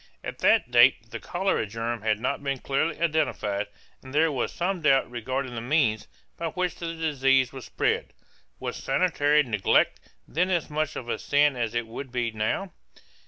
At that date the cholera germ had not been clearly identified and there was some doubt regarding the means by which the disease was spread. Was sanitary neglect then as much of a sin as it would be now?